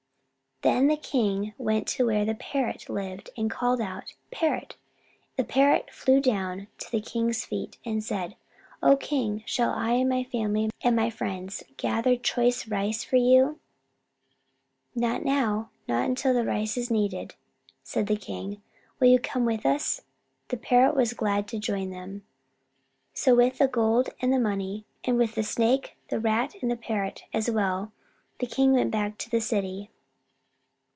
Then the king went to where the Parrot lived, and called, "Parrot!" The Parrot flew down to the king's feet and said, "O King, shall I and my family and my friends gather choice rice for you?" "Not now, not until rice is needed," said the king. "Will you come with us?" The Parrot was glad to join them. So with the gold, and the money, and with the Snake, the Rat, and the Parrot as well, the king went back to the city.